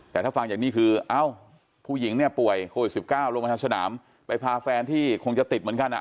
แต่ถ้าฟังจากนี้คือเอ้าผู้หญิงเนี่ยป่วยโควิด๑๙ลงมาทางสนามไปพาแฟนที่คงจะติดเหมือนกันอ่ะ